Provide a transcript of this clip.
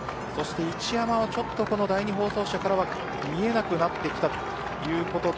一山は第２放送車からは見えなくなってきました。